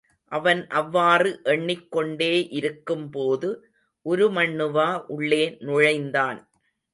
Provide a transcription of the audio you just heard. அவன் அவ்வாறு எண்ணிக் கொண்டே இருக்கும்போது உருமண்ணுவா உள்ளே நுழைந்தான்.